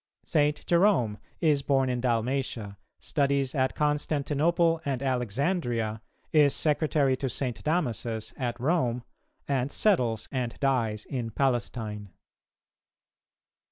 St. Jerome is born in Dalmatia, studies at Constantinople and Alexandria, is secretary to St. Damasus at Rome, and settles and dies in Palestine.